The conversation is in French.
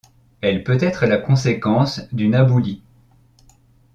Elle peut être la conséquence d'une aboulie.